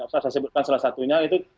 saya sebutkan salah satunya itu